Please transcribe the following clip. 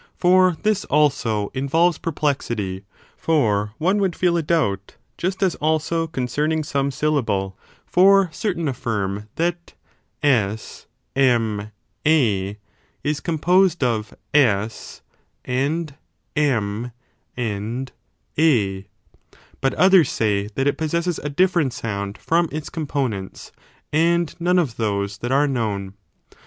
for this also involves perplexity; for one would feel a doubt, just as also concerning ^ome syllable: %r certain afi&rm that SMA is composed of S and M and A, but others ^y that it possesses a different sound from its components, and none of those that are known.